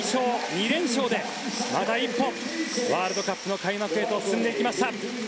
２連勝で、また一歩ワールドカップの開幕へと進んでいきました。